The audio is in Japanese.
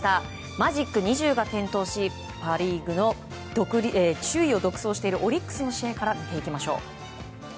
マジック２０が点灯しパ・リーグの首位を独走しているオリックスの試合から見ていきましょう。